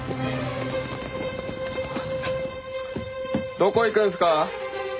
どこ行くんすか？